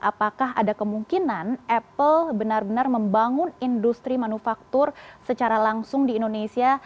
apakah ada kemungkinan apple benar benar membangun industri manufaktur secara langsung di indonesia